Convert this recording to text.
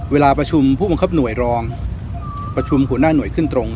เวลาประชุมผู้บังคับหน่วยรองประชุมหัวหน้าหน่วยขึ้นตรง